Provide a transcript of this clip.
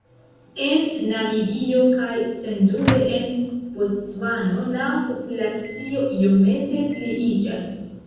En Namibio kaj sendube en Bocvano, la populacio iomete pliiĝas.